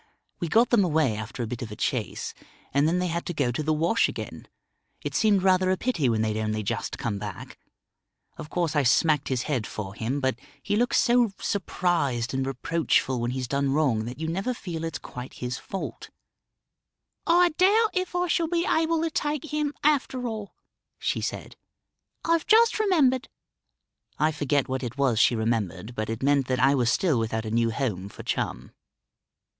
We got them away after a bit of a chase, and then they had to go to the wash again. It seemed rather a pity when they'd only just come back. Of course I smacked his head for him; but he looks so surprised and reproachful when he's done wrong that you never feel it's quite his fault." "I doubt if I shall be able to take him after all," she said. "I've just remembered " I forget what it was she remembered, but it meant that I was still without a new home for Chum.